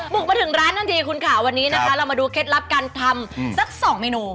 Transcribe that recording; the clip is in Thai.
บุกมาถึงร้านทันทีคุณค่ะวันนี้นะคะเรามาดูเคล็ดลับการทำสัก๒เมนู